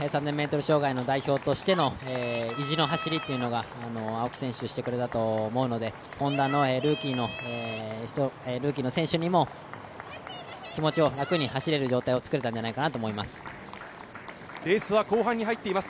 ｍ代表の意地の走りというのが、青木先取してくれたと思うのでＨｏｎｄａのルーキー選手にも、気持ちを楽に走れる状況が作れたんじゃないかなと思います。